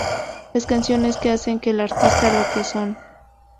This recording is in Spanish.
Las canciones que hacen que el artista lo que son.